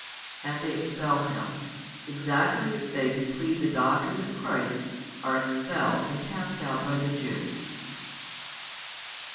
And they expel him, exactly as they who plead the doctrine of Christ are expelled and cast out by the Jews.